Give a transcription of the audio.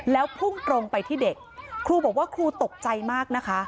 แล้วพุ่งตรงไปที่เด็กครูบอกว่าครูตกใจมากนะคะ